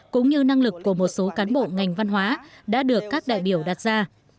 cũng như năng lực của một số cán bộ ngành văn hóa đã được các đại biểu đặt ra